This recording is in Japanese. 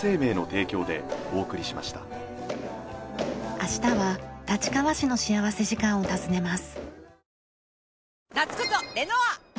明日は立川市の幸福時間を訪ねます。